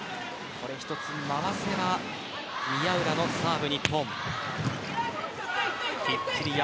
１つ回せば宮浦のサーブ、日本。